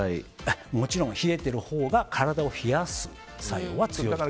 もちろん、冷えているほうが体を冷やす作用は強いです。